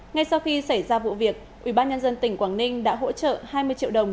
ngay sau khi xảy ra vụ việc ubnd tỉnh quảng ninh đã hỗ trợ hai mươi triệu đồng